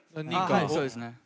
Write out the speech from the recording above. そうですね。